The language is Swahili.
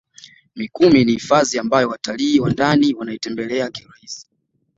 mikumi ni hifadhi ambayo watalii wa ndani wanaitembelea kirahisi